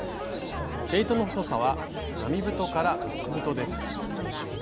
毛糸の太さは並太極太です。